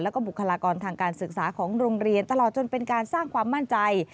แล้วก็บุคลากรทางการศึกษาของโรงเรียนตลอดจนเป็นการสร้างความมั่นใจ